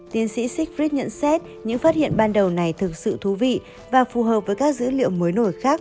tiến sĩ sigrid nhận xét những phát hiện ban đầu này thực sự thú vị và phù hợp với các dữ liệu mới nổi khác